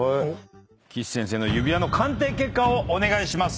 岸先生の指輪の鑑定結果をお願いします。